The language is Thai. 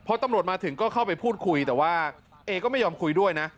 พอตำรวจมาถึงก็เข้าไปพูดคุยแต่ว่าเอก็ไม่ยอมคุยด้วยนะ